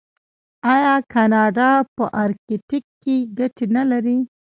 آیا کاناډا په ارکټیک کې ګټې نلري؟